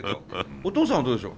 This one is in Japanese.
お父さんはどうでしょう？